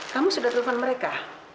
kamu sudah telepon mereka